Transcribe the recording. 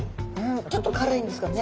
ちょっと辛いんですかね。